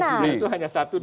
ini yang tadi saya setuju